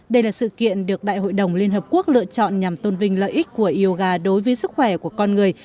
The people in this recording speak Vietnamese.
đây là sự kiện được đại hội đồng liên hợp quốc lựa chọn nhằm tôn vinh lợi ích của yoga đối với sức khỏe của con người